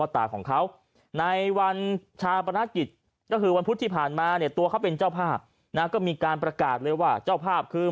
ที่ผ่านมาตัวเขาเป็นเจ้าภาพก็มีการประกาศเลยว่าเจ้าภาพคือ